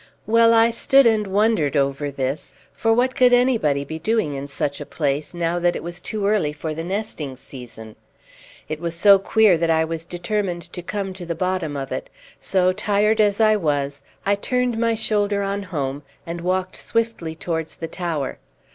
Well I stood and wondered over this, for what could anybody be doing in such a place now that it was too early for the nesting season? It was so queer that I was determined to come to the bottom of it; so, tired as I was, I turned my shoulder on home, and walked swiftly towards the tower.